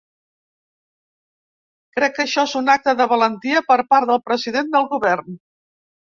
Crec que això és un acte de valentia per part del president del govern.